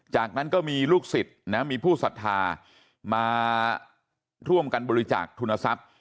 จากนั้นก็มีลูกศิษย์นะมีผู้ศรัทธามาร่วมกันบริจาคทุนทรัพย์